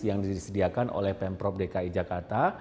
yang disediakan oleh pemprov dki jakarta